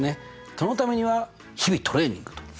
そのためには日々トレーニングと。